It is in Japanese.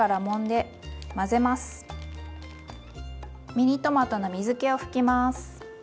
ミニトマトの水けを拭きます。